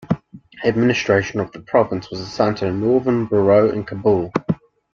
Administration of the province was assigned to the Northern Bureau in Kabul.